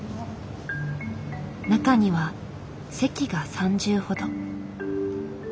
中には席が３０ほど。